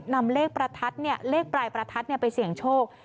นำเลขประทัดเนี่ยเลขปลายประทัดเนี่ยไปเสี่ยงโชค